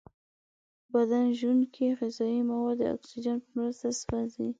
بدن ژونکې غذایي مواد د اکسیجن په مرسته سوځوي.